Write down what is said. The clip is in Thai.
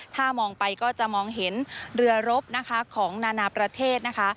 ถ้ามองไปก็จะมองเห็นเรือรบนะคะของนานาประเทศนะคะ